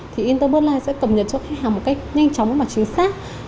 thì ít tố bất mai sẽ cầm nhận cho khách hàng một cách nhanh chóng và chính xác